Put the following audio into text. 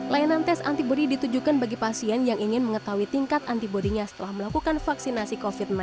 layanan tes antibody ditujukan bagi pasien yang ingin mengetahui tingkat antibody nya setelah melakukan vaksinasi covid sembilan belas